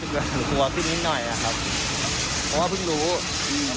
กลัวพิกนิดหน่อยนะครับเพราะว่าเพิ่งรู้อืม